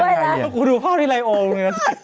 แล้วผมดูพ่อที่ไลน์โอม